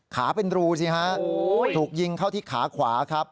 เป็นรูสิฮะถูกยิงเข้าที่ขาขวาครับ